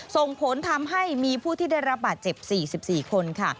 ส่งผลทำให้มีผู้ที่ได้รับบาดเจ็บ๔๔คนค่ะ